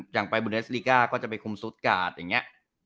อย่างไปเบิร์นอสลิกก้าก็จะไปคมสุดการ์ดอย่างเนี่ย